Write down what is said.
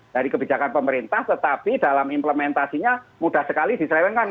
dari kebijakan pemerintah tetapi dalam implementasinya mudah sekali diselewengkan